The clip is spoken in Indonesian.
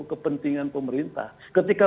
kepentingan pemerintah ketika